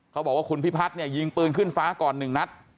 เขาบอกว่าคุณพิพัฒน์เนี่ยยิงปืนขึ้นฟ้าก่อน๑นัด